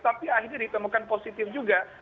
tapi akhirnya ditemukan positif juga